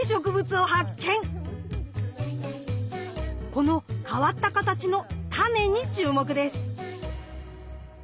この変わった形のタネに注目です。